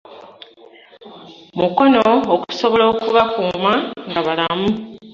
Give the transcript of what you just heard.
Mu kono okusobola okubakuuma nga balamu.